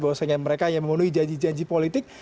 bahwa sehingga mereka yang memenuhi janji janji politik